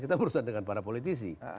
kita berusaha dengan para politisi